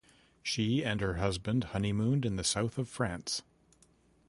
She and her husband honeymooned in the South of France.